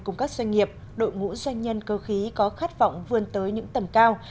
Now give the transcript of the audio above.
cùng các doanh nghiệp đội ngũ doanh nhân cơ khí có khát vọng vươn tới những tầm cao